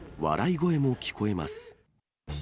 笑い声も聞こえます。